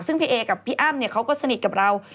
ซึ่งพี่เอกับพี่อ้ำเขาก็สนิทกับเรา